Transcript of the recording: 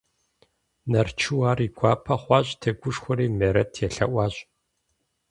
Нарчу ар и гуапэ хъуащ, тегушхуэри Мерэт елъэӀуащ.